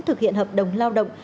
thực hiện hợp đồng lao động